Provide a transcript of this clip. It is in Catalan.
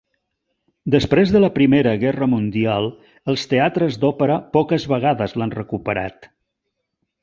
Després de la Primera Guerra Mundial, els teatres d'òpera poques vegades l'han recuperat.